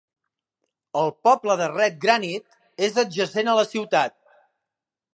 El poble de Redgranite és adjacent a la ciutat.